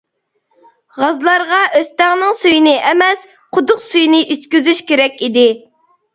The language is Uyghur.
غازلارغا ئۆستەڭنىڭ سۈيىنى ئەمەس، قۇدۇق سۈيىنى ئىچكۈزۈش كېرەك ئىدى.